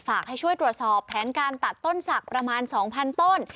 ให้ช่วยตรวจสอบแผนการตัดต้นศักดิ์ประมาณ๒๐๐ต้น